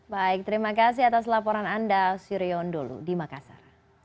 baik terima kasih atas laporan anda surion dulu di makassar